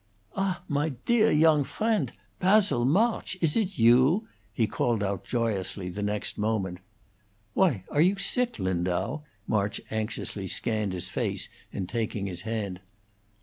"Ah, my tear yo'ng friendt! Passil! Marge! Iss it you?" he called out, joyously, the next moment. "Why, are you sick, Lindau?" March anxiously scanned his face in taking his hand.